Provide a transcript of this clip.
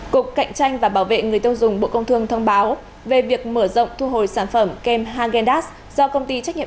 cục cạnh tranh và bảo vệ người tiêu dùng bộ công thương thông báo về việc mở rộng thu hồi sản phẩm kem hangendas do công ty trách nhiệm